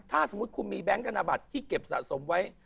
ถ้าสมมุติคุณมีแบงค์ธนบัตรที่เก็บสะสมไว้